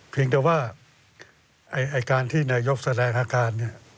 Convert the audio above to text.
เพียงแต่ว่าไอ้การที่นายกแสดงอาการ